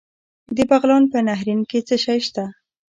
د بغلان په نهرین کې څه شی شته؟